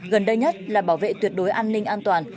gần đây nhất là bảo vệ tuyệt đối an ninh an toàn